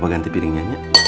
bapak ganti piringnya